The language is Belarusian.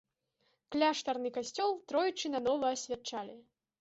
Кляштарны касцёл тройчы нанова асвячалі.